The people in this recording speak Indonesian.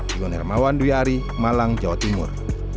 iwan hermawan dwi ari malang jawa timur